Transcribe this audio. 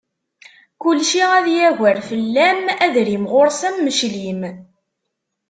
Kulci ad yagar fell-am, adrim ɣur-s am uclim.